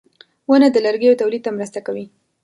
• ونه د لرګیو تولید ته مرسته کوي.